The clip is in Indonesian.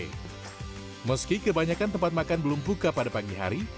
meski kebanyakan tempat makan belum buka pada pagi hari